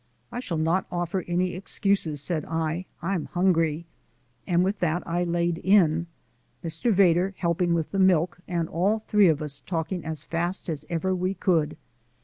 "I shall not offer any excuses," said I, "I'm hungry," and with that I laid in, Mr. Vedder helping with the milk, and all three of us talking as fast as ever we could.